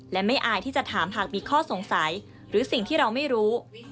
และไม่อายที่จะถามหากมีข้อสงสัยหรือสิ่งที่เราไม่รู้